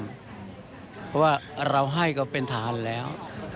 เพราะว่าเราให้ก็เป็นฐานแล้ว